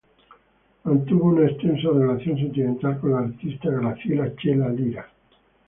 Mantuvo una extensa relación sentimental con la artista Graciela "Chela" Lira.